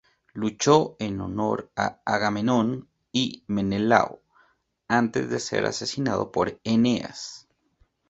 Luchó en honor a Agamenón y Menelao, antes de ser asesinado por Eneas.